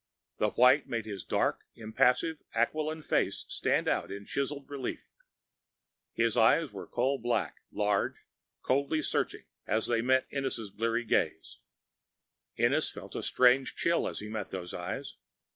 The white made his dark, impassive, aquiline face stand out in chiseled relief. His eyes were coal black, large, coldly searching, as they met Ennis' bleared gaze. Ennis felt a strange chill as he met those eyes.